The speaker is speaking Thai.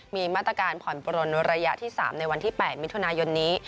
มีมาตรการผ่อนปลนระยะที่๓ในวันที่๘มิถุนายนนี้